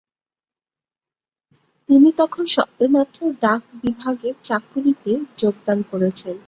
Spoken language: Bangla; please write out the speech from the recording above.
তিনি তখন সবেমাত্র ডাকবিভাগের চাকুরীতে যোগদান করেছেন।